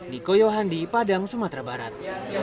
niko yohandi padang sumatera barat